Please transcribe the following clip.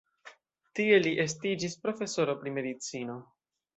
Tie li estiĝis profesoro pri medicino.